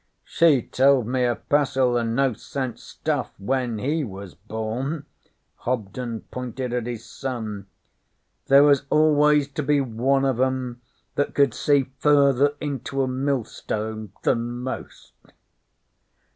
'She told me a passel o' no sense stuff when he was born.' Hobden pointed at his son. 'There was always to be one of 'em that could see further into a millstone than most.'